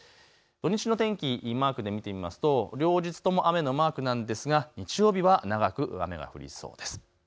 土日の天気マークで見てみますと両日とも雨のマークなんですが日曜日は長く雨が降りそうです。